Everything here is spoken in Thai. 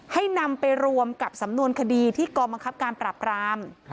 ให้นำไปรวมกับสำนวนคดีที่กองบังคับการปราบราม